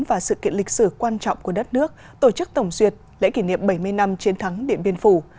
và sự kiện lịch sử quan trọng của đất nước tổ chức tổng duyệt lễ kỷ niệm bảy mươi năm chiến thắng điện biên phủ